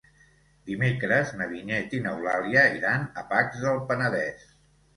Dimecres na Vinyet i n'Eulàlia iran a Pacs del Penedès.